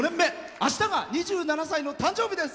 あしたが２７歳の誕生日です。